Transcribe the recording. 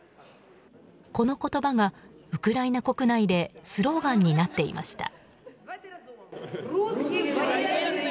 この言葉がウクライナ国内でスローガンになっていました。